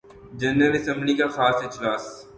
general assembly کا خاص اجلاس